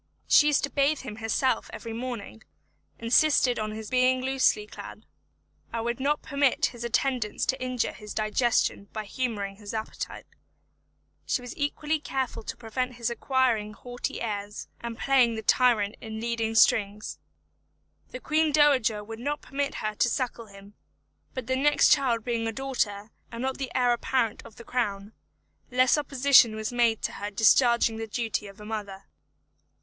She used to bathe him herself every morning; insisted on his being loosely clad; and would not permit his attendants to injure his digestion by humouring his appetite. She was equally careful to prevent his acquiring haughty airs, and playing the tyrant in leading strings. The Queen Dowager would not permit her to suckle him; but the next child being a daughter, and not the Heir Apparent of the Crown, less opposition was made to her discharging the duty of a mother.